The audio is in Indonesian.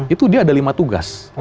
itu dia ada lima tugas